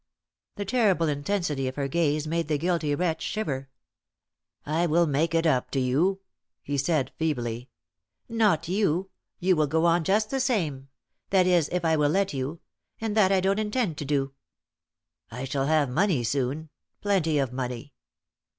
The terrible intensity of her gaze made the guilty wretch shiver. "I will make it up to you," he said, feebly. "Not you. You will go on just the same that is if I will let you and that I don't intend to do." "I shall have money soon plenty of money."